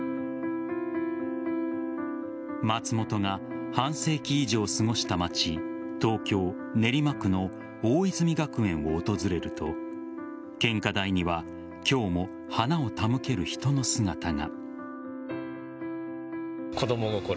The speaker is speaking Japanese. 松本が半世紀以上過ごした街東京・練馬区の大泉学園を訪れると献花台には今日も花を手向ける人の姿が。